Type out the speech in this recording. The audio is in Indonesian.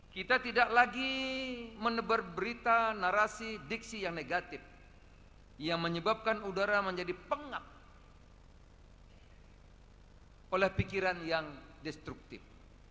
kita tidak lagi menebar berita narasi diksi yang negatif yang menyebabkan udara menjadi pengap oleh pikiran yang destruktif